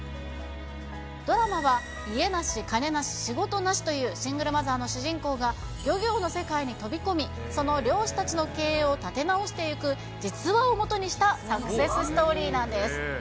ドラマは家なし、金なし、仕事なしという、シングルマザーの主人公が、漁業の世界に飛び込み、その漁師たちの経営を立て直していく実話をもとにした、サクセスストーリーなんです。